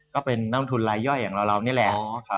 ก็เป็นนักลงทุนลายย่อยอย่างเรานี่แหละ